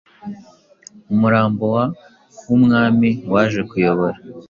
Umurambo wumwami waje kuyobora